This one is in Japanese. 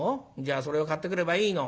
それを買ってくればいいの？」。